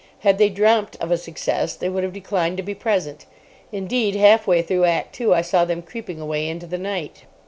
Had they dreamt of a success they would have declined to be present. Indeed, half way through Act Two, I saw them creeping away into the night.